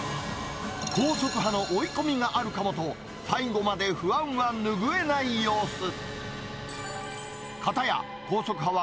高速派の追い込みがあるかもと、最後まで不安は拭えない様子。